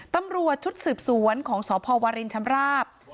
ตำรวจชุดสืบสวนของสพวรินชำราบ